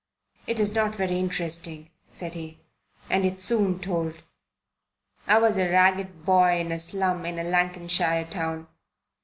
"It's not very interesting," said he. "And it's soon told. I was a ragged boy in a slum in a Lancashire town.